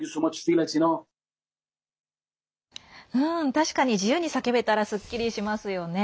確かに自由に叫べたらすっきりしますよね。